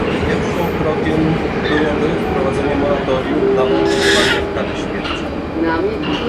Pierwszym krokiem byłoby wprowadzenie moratorium na wykonywanie kary śmierci